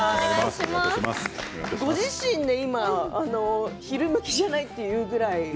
ご自身で今昼向きじゃないというくらい。